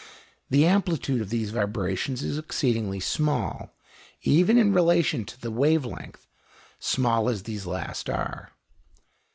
The amplitude of these vibrations is exceedingly small, even in relation to the wave length, small as these last are.